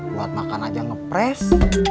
buat makan aja ngepres